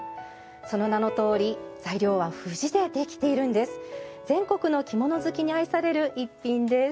その名のとおり材料は藤で、できているんです。